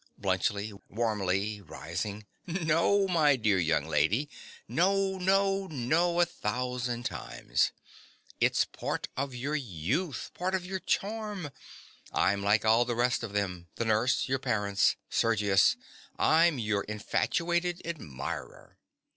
BLUNTSCHLI. (warmly, rising). No, my dear young lady, no, no, no a thousand times. It's part of your youth—part of your charm. I'm like all the rest of them—the nurse—your parents—Sergius: I'm your infatuated admirer.